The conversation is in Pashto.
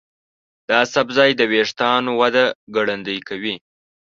دا سبزی د ویښتانو وده ګړندۍ کوي.